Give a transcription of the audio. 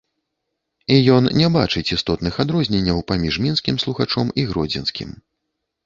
І ён не бачыць істотных адрозненняў паміж мінскім слухачом і гродзенскім.